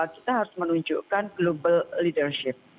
kita harus menunjukkan global leadership